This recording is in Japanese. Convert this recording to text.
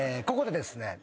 ここでですね